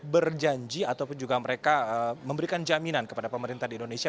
berjanji ataupun juga mereka memberikan jaminan kepada pemerintah di indonesia